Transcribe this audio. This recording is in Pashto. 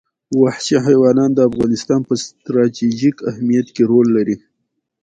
وحشي حیوانات د افغانستان په ستراتیژیک اهمیت کې رول لري.